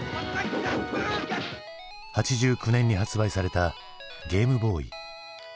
８９年に発売されたゲームボーイ。